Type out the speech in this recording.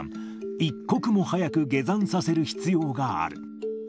一刻も早く下山させる必要がある。